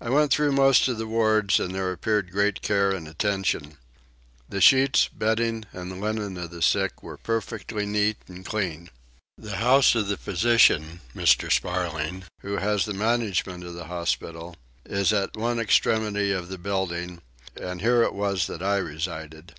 I went through most of the wards and there appeared great care and attention. The sheets, bedding, and linen of the sick were perfectly neat and clean. The house of the physician, Mr. Sparling, who has the management of the hospital is at one extremity of the building: and here it was that I resided.